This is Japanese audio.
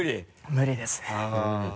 無理ですね。